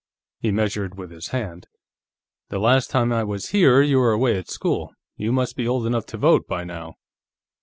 He measured with his hand. "The last time I was here, you were away at school. You must be old enough to vote, by now."